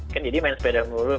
kan jadi main sepeda mulut